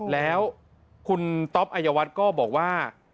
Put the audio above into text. แล้วคุณต๊อปอัยวัติศรีวัฒนประภารบินก็บอกว่า